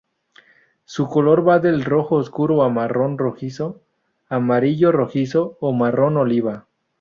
Su color va del rojo oscuro a marrón rojizo, amarillo rojizo o marrón oliva.